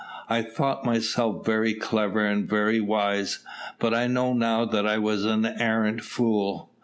I thought myself very clever and very wise, but I now know that I was an arrant fool.